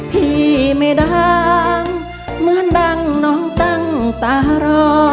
พี่ไม่ดังเหมือนดังน้องตั้งตารอ